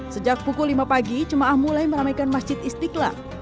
sejak pukul lima pagi jemaah mulai meramaikan masjid istiqlal